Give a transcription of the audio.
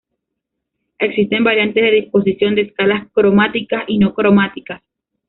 Existen variantes de disposición de escalas cromáticas y no cromáticas.